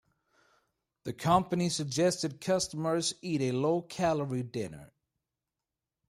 The company suggested customers eat a low-calorie dinner.